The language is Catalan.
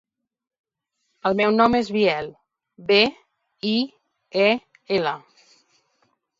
El meu nom és Biel: be, i, e, ela.